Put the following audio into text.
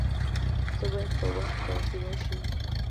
پسه باید په وخت تغذیه شي.